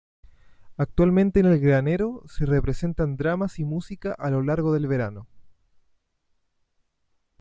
Actualmente en el granero se representan dramas y música a lo largo del verano.